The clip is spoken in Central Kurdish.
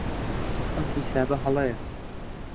ئەم حیسابە هەڵەیە.